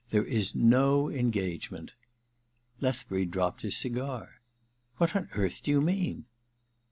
* There is no engagement/ Lethbury dropped his cigar. *What on earth do you mean